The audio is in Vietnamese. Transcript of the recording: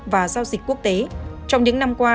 và giao dịch quốc tế trong những năm qua